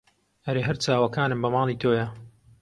ئەرێ هەر چاوەکانم بە ماڵی تۆیە